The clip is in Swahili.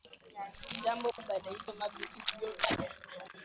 Jambo banaichoma bitu byote bina lungula